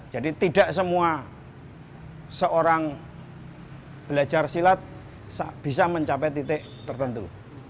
jadi tidak semua seorang belajar silat bisa mencapai titik tertentu